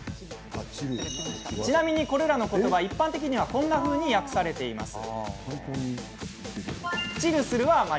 ちなみに、これらの言葉一般的にはこんなふうに訳されています。